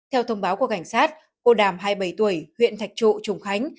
theo thông báo của cảnh sát cô đàm hai mươi bảy tuổi huyện thạch trụ trùng khánh